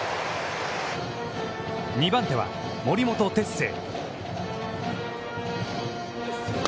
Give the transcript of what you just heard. ２番手は森本哲星。